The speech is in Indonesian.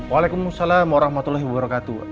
waalaikumsalam warahmatullahi wabarakatuh